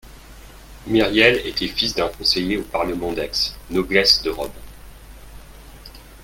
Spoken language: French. Myriel était fils d'un conseiller au parlement d'Aix, noblesse de robe